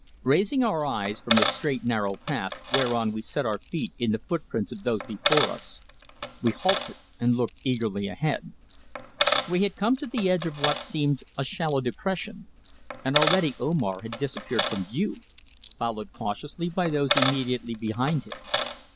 RAISING our eyes from the straight narrow path whereon we set our feet in the footprints of those before us, we halted and looked eagerly ahead. We had come to the edge of what seemed a shallow depression, and already Omar had disappeared from view, followed cautiously by those immediately behind him.